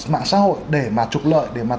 mạng xã hội để mà trục lợi